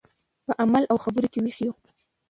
په عمل او خبرو کې یې وښیو.